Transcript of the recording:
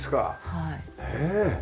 ねえ。